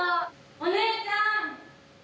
お姉ちゃん。